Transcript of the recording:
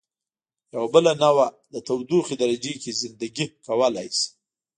یوه بله نوعه د تودوخې درجې کې زنده ګي کولای شي.